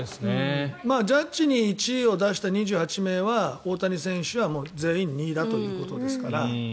ジャッジに１位を出した２８名は大谷選手は、もう全員２位だということですから。